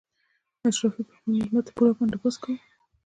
اشرافي به خپل مېلمه ته پوره بندوبست کاوه.